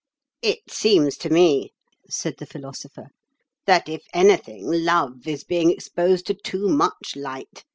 "It seems to me," said the Philosopher, "that, if anything, Love is being exposed to too much light.